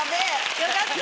よかった！